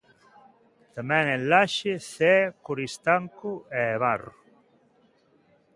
Tamén en Laxe, Cee, Coristanco e Barro.